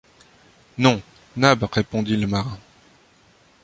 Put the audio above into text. Non, Nab, répondit le marin